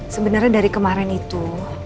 sebenarnya dari kemarin itu